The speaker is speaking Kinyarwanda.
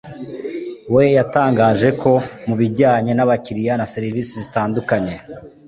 we yatangaje ko mu bijyanye n’abakiliya na serivisi zitandukanye